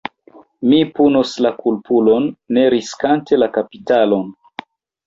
Mi punos la kulpulon, ne riskante la kapitalon.